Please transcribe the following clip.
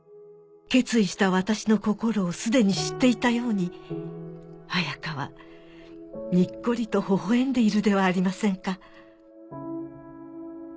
「決意した私の心をすでに知っていたように彩花はにっこりと微笑んでいるではありませんか」